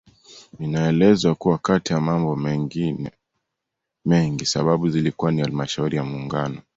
Inaelezwa kuwa kati ya mambo mengine mengi sababu zilikuwa ni Halmashauri ya muungano